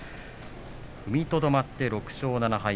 踏みとどまって６勝７敗。